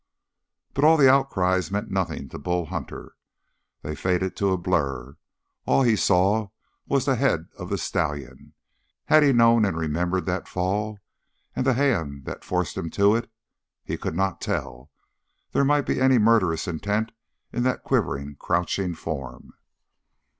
But all the outcries meant nothing to Bull Hunter. They faded to a blur. All he saw was the head of the stallion. Had he known and remembered that fall and the hand that forced him to it? He could not tell. There might be any murderous intent in that quivering, crouching form.